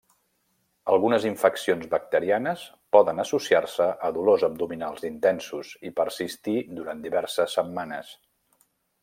Algunes infeccions bacterianes poden associar-se a dolors abdominals intensos i persistir durant diverses setmanes.